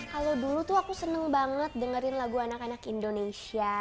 kalau dulu tuh aku seneng banget dengerin lagu anak anak indonesia